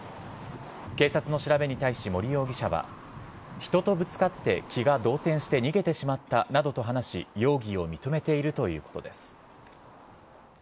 警察の調べに対し、森容疑者は、人とぶつかって気が動転して逃げてしまったなどと話し、容疑を認めているということです。